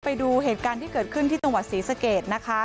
ไปดูเหตุการณ์ที่เกิดขึ้นที่จังหวัดศรีสะเกดนะคะ